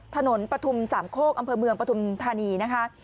ถนนปฐุมสามโคกอำเภอเมืองปฐุมธานีนะคะ